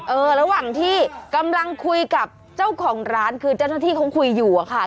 ระหว่างที่กำลังคุยกับเจ้าของร้านคือเจ้าหน้าที่เขาคุยอยู่อะค่ะ